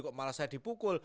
kok malah saya dipukul